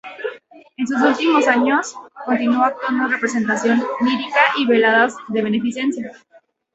En sus últimos quince años continuó actuando en representaciones líricas y veladas de beneficencia.